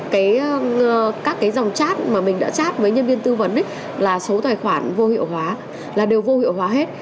cái các cái dòng chat mà mình đã chát với nhân viên tư vấn là số tài khoản vô hiệu hóa là đều vô hiệu hóa hết